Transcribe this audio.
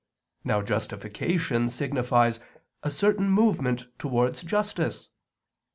Now justification signifies a certain movement towards justice.